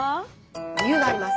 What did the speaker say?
理由があります。